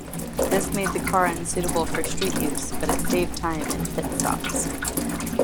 This made the car unsuitable for street use, but it saved time in pitstops.